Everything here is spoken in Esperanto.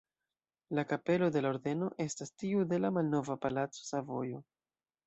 La kapelo de la Ordeno estas tiu de la malnova palaco Savojo.